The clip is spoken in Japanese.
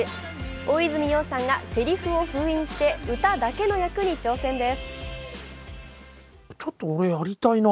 大泉洋さんがせりふを封印して、歌だけの役に挑戦です。